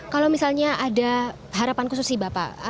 kalau misalnya ada harapan khusus sih bapak